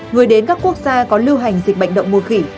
người đến các quốc gia có lưu hành dịch bệnh đậu mùa khỉ